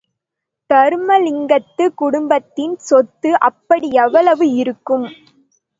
தருமலிங்கத்து குடும்பத்தின் சொத்து அப்படி எவ்வளவு இருக்கும்?